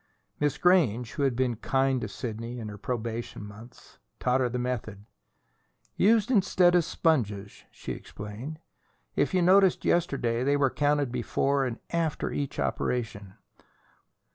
Miss Grange, who had been kind to Sidney in her probation months, taught her the method. "Used instead of sponges," she explained. "If you noticed yesterday, they were counted before and after each operation.